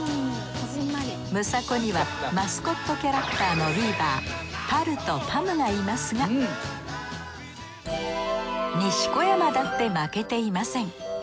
ムサコにはマスコットキャラクターのビーバーパルとパムがいますが西小山だって負けていません！